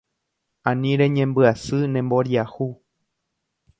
Ani reñembyasy ne mboriahu